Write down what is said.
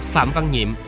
phạm văn nhiệm